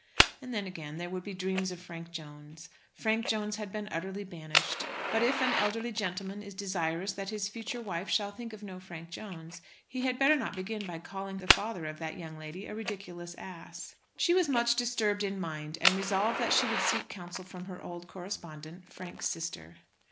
And then again, there would be dreams of Frank Jones. Frank Jones had been utterly banished. But if an elderly gentleman is desirous that his future wife shall think of no Frank Jones, he had better not begin by calling the father of that young lady a ridiculous ass. She was much disturbed in mind, and resolved that she would seek counsel from her old correspondent, Frank's sister.